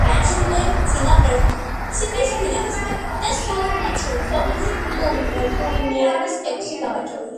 აქ იყვნენ წინა პრეტენდენტთა ციკლის ფინალისტები და საზონათშორისო ტურნირების ექვსი გამარჯვებული.